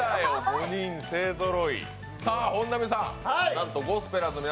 ５人勢ぞろい。